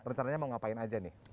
rencananya mau ngapain aja nih